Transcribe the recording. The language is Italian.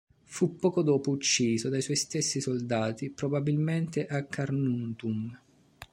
Fu poco dopo ucciso dai suoi stessi soldati probabilmente a "Carnuntum".